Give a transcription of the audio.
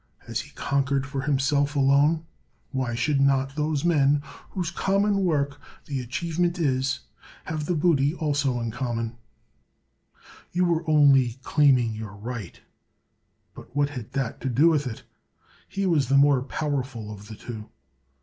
Has he conquered for himself alone? Why should not those men whose com n— 13 193 THE WORLD'S FAMOUS ORATIONS mon work the achievement is, have the booty also in common?'' You were only claiming your right, but what had that to do with it ? He was the more powerful of the two.